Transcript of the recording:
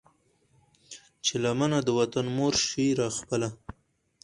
چې لمنه د وطن مور شي را خپله